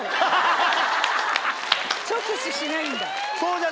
直視しないんだ。